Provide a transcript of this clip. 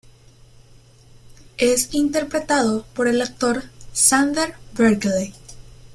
Es interpretado por el actor Xander Berkeley.